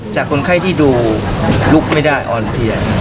คนไข้ที่ดูลุกไม่ได้อ่อนเพลีย